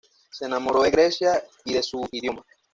Se enamoró de Grecia y de su idioma.